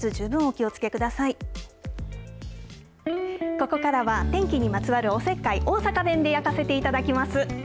ここからは天気にまつわるおせっかい大阪弁で焼かせていただきます。